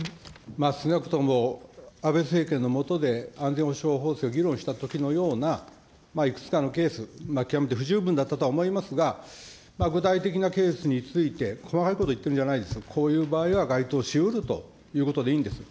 少なくとも安倍政権の下で、安全保障法制を議論したときのような、いくつかのケース、極めて不十分だったとは思いますが、具体的なケースについて、細かいこと言ってるんじゃないですよ、こういう場合は該当しうるということでいいんです。